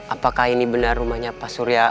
apakah ini benar rumahnya pak surya